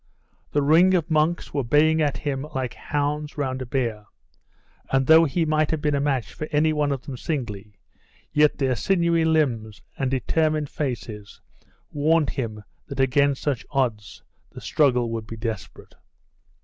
The ring of monks were baying at him like hounds round a bear: and though he might have been a match for any one of them singly, yet their sinewy limbs and determined faces warned him that against such odds the struggle would be desperate.